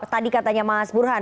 tadi katanya mas burhan